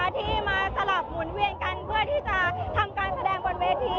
ที่มาสลับหมุนเวียนกันเพื่อที่จะทำการแสดงบนเวที